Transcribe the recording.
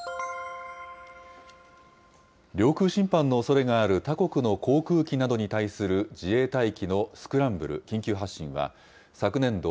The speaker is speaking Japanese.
領空侵犯のおそれがある他国の航空機などに対する自衛隊機のスクランブル・緊急発進は、昨年度